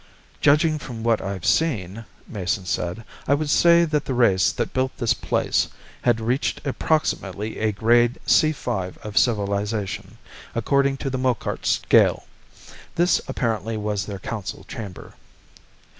"Judging from what we've seen," Mason said, "I would say that the race that built this place had reached approximately a grade C 5 of civilization, according to the Mokart scale. This apparently was their council chamber."